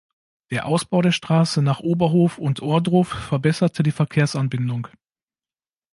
Der Ausbau der Straße nach Oberhof und Ohrdruf verbesserte die Verkehrsanbindung.